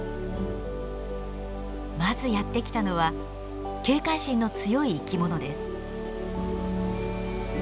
まずやって来たのは警戒心の強い生き物です。